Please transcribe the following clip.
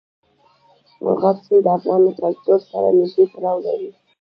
مورغاب سیند د افغان کلتور سره نږدې تړاو لري.